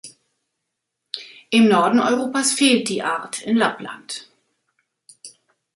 Im Norden Europas fehlt die Art in Lappland.